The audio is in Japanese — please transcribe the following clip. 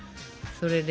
それで。